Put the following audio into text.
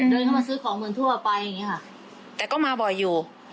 เดินเข้ามาซื้อของเมืองทั่วไปแต่ก็มาบ่อยอยู่